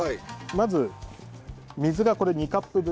まず水がこれ２カップ分。